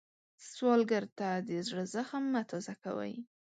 سوالګر ته د زړه زخم مه تازه کوئ